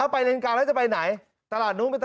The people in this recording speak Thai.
ไปเลนกลางแล้วจะไปไหน